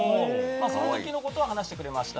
その時のことを話してくれました。